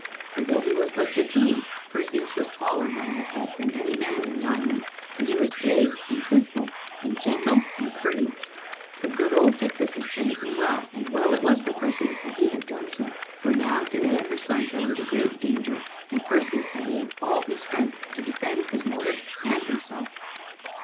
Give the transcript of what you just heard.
For though he was but fifteen, Perseus was taller by a head than any man in the island. And he was brave and truthful, and gentle and courteous, for good old Dictys had trained him well, and well it was for Perseus that he had done so. For now Danæ and her son fell into great danger, and Perseus had need of all his strength to defend his mother and himself.